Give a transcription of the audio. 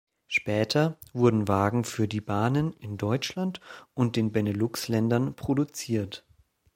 Später wurden Wagen für die Bahnen in Deutschland und in den Benelux-Ländern produziert.